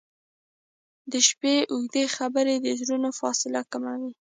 • د شپې اوږدې خبرې د زړونو فاصله کموي.